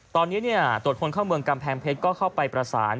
ตอนนี้ตรวจคนเข้าเมืองกำแพงเพชรก็เข้าไปประสาน